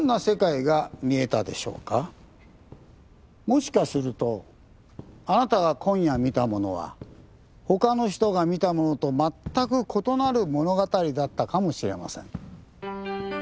もしかするとあなたが今夜見たものは他の人が見たものとまったく異なる物語だったかもしれません。